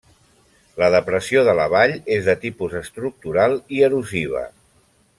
La depressió de la vall és de tipus estructural i erosiva.